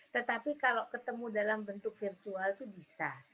tetapi kalau ketemu dalam bentuk virtual itu bisa